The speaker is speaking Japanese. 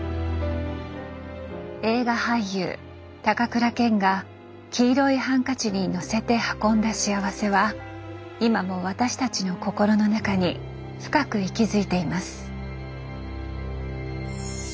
映画俳優高倉健が黄色いハンカチにのせて運んだ幸せは今も私たちの心の中に深く息づいています。